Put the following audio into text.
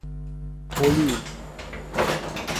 حلول